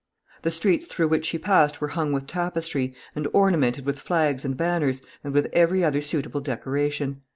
The streets through which she passed were hung with tapestry, and ornamented with flags and banners, and with every other suitable decoration.